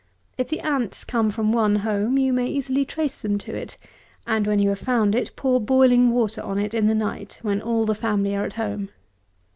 If the ants come from one home, you may easily trace them to it; and when you have found it, pour boiling water on it in the night, when all the family are at home.